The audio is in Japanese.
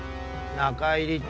中入りっ